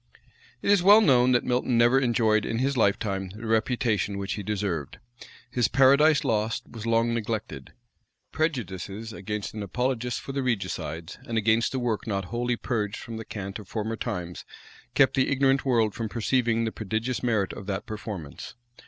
It is well known, that Milton never enjoyed in his lifetime the reputation which he deserved. His Paradise Lost was long neglected: prejudices against an apologist for the regicides, and against a work not wholly purged from the cant of former times, kept the ignorant world from perceiving the prodigious merit of that performance.